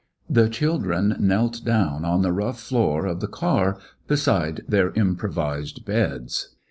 The children knelt down on the rough floor of the car beside their improvised beds.